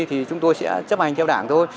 thì chúng tôi sẽ chấp hành theo đảng thôi